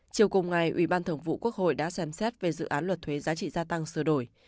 chiều cùng ngày ủy ban thường vụ quốc hội đã xem xét về dự án luật thuế giá trị gia tăng sửa đổi